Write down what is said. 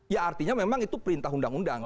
ya artinya memang itu perintah undang undang